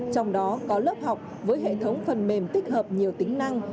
trong đó có lớp học với hệ thống phần mềm tích hợp nhiều tính năng